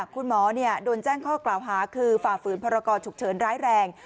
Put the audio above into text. คุณหมอโดนแจ้งข้อกล่าวหาคือฝ่าฝืนพรกรฉุกเฉินร้ายแรง